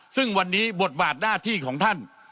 ซึ่งวันนี้บทบาทหน้าที่ของท่าน